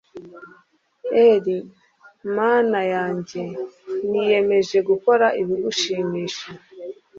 r/ mana yanjye niyemeje gukora ibigushimisha